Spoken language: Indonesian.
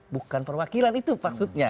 bukan perwakilan itu maksudnya